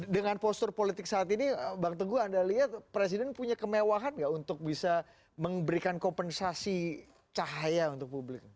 dengan postur politik saat ini bang teguh anda lihat presiden punya kemewahan nggak untuk bisa memberikan kompensasi cahaya untuk publik